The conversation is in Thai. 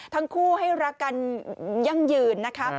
ทั้งคู่ให้รักกันยั่งยืนนะคะ